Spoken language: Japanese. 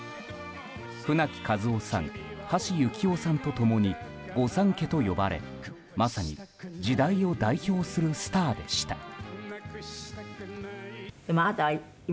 舟木一夫さん、橋幸夫さんと共に御三家と呼ばれまさに時代を代表するスターでした。